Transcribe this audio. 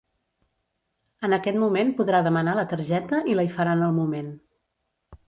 En aquest moment podrà demanar la targeta i la hi faran al moment.